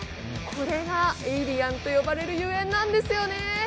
これがエイリアンと呼ばれるゆえんなんですよね。